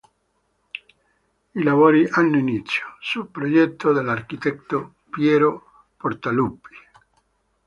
I lavori hanno inizio, su progetto dell'architetto Piero Portaluppi.